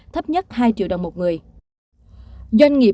thấp nhất hai triệu đồng một người